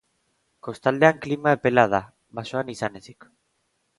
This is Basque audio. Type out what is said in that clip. Kostaldean klima epela da, basoan izan ezik.